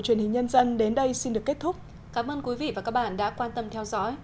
truyền hình nhân dân đến đây xin được kết thúc cảm ơn quý vị và các bạn đã quan tâm theo dõi